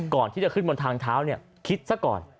ก่อนที่จะขึ้นบนทางเท้าคิดซะก่อน